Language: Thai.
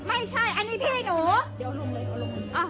อันนี้พี่หนู